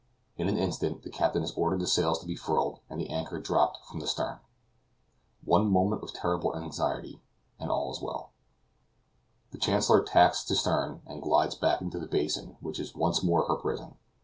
In an instant the captain has ordered the sails to be furled, and the anchor dropped from the stern. One moment of terrible anxiety, and all is well. The Chancellor tacks to stern, and glides back into the basin, which is once more her prison.